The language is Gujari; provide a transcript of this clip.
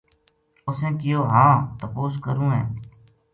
اُسیں کہیو " ہاں تپوس کروں ہے"